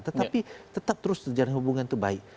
tetapi tetap terus berjalan hubungan itu baik